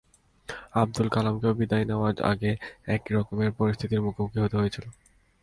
আবদুল কালামকেও বিদায় নেওয়ার আগে একই রকমের পরিস্থিতির মুখোমুখি হতে হয়েছিল।